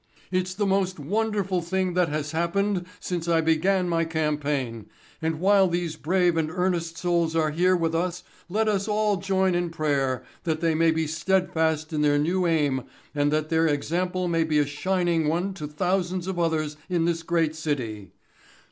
It's the most wonderful thing that has happened since I began my campaign, and while these brave and earnest souls are here with us let us all join in a prayer that they may be steadfast in their new aim and that their example may be a shining one to thousands of others in this great city.